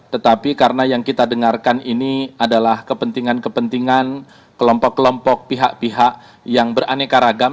tetapi karena yang kita dengarkan ini adalah kepentingan kepentingan kelompok kelompok pihak pihak yang beraneka ragam